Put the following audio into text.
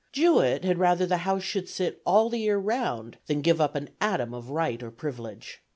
Jewett 'had rather the House should sit all the year round, than give up an atom of right or privilege.